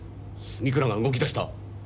住倉が動き出した！？